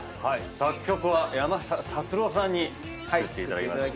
作曲は山下達郎さんに作っていただきました。